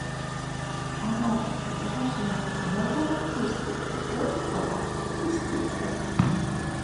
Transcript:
Паночку, даражэнькі, няўжо не пусціце, зрабіце ласку, пусціце!